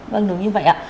vâng đúng như vậy ạ